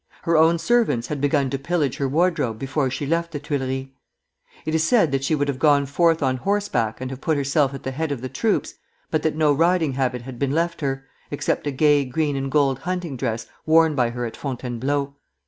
Her own servants had begun to pillage her wardrobe before she left the Tuileries. It is said that she would have gone forth on horseback and have put herself at the head of the troops, but that no riding habit had been left her, except a gay green and gold hunting dress worn by her at Fontainebleau.